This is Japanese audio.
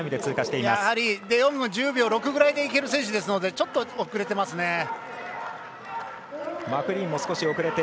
デヨング１０秒６ぐらいでいける選手ですのでちょっと遅れてますね。